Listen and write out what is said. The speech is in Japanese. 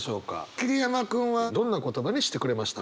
桐山君はどんな言葉にしてくれましたか？